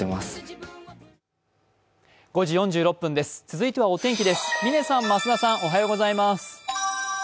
続いてはお天気です。